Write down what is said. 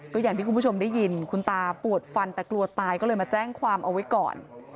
ก็อย่างที่คุณผู้ชมได้ยินคุณตาปวดฟันแต่กลัวตายก็เลยมาแจ้งความเอาไว้ก่อน